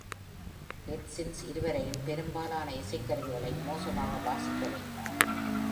Hutchins இருவரையும் பெரும்பாலான இசைக்கருவிகளை மோசமாக வாசிக்க வைத்தார்.